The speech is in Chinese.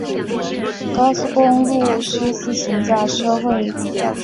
但高速铁路毋须自行驾车会较为舒适。